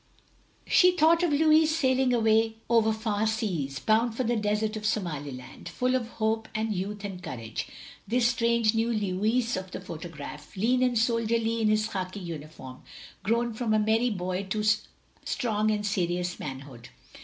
She thought of Louis sailing away over far seas, bound for the desert of Somaliland, full of hope, and youth, and courage; this strange new Louis of the photograph, lean and soldierly in his khaki uniform; grown from a merry boy to strong and serious manhood.